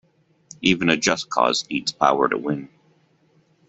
Even a just cause needs power to win.